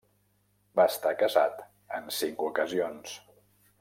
Va estar casat en cinc ocasions.